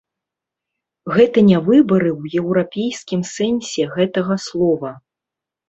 Гэта не выбары ў еўрапейскім сэнсе гэтага слова.